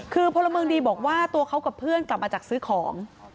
คือพลเมืองดีบอกว่าตัวเขากับเพื่อนกลับมาจากซื้อของ